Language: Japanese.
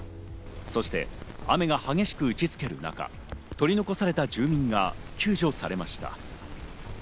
そして雨が激しく打ちつける中、取り残された住民が救助されました。